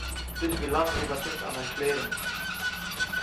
ביז ווילאַנג זי באַקומט אַן ערקלערונג